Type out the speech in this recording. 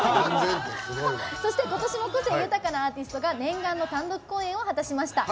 そしてことしも個性豊かなアーティストが念願の単独公演を果たしました。